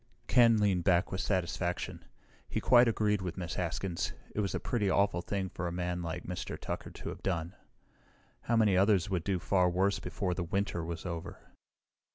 Ken leaned back with satisfaction. He quite agreed with Miss Haskins. It was a pretty awful thing for a man like Mr. Tucker to have done. How many others would do far worse before the winter was over?